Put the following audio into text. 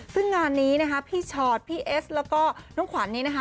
ซึ่งงานนี้นะคะพี่ชอตพี่เอสแล้วก็น้องขวัญนี้นะคะ